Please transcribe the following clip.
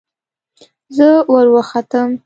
زه وروختم.